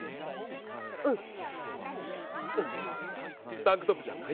タンクトップじゃない。